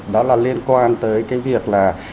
đó là liên quan tới cái việc là